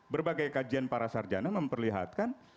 berbagai kajian para sarjana memperlihatkan